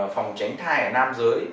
phòng tránh thai ở nam giới